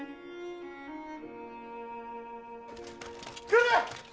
来る！